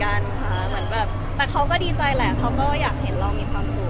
เพื่อนก็ถล่มเยอะเหมือนกันค่ะแต่เขาก็ดีใจแหละเพราะว่าอยากเห็นเรามีความสุข